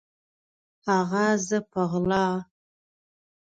هغه زه په غلا